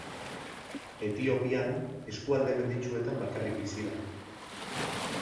Etiopian, eskualde menditsuetan bakarrik bizi da.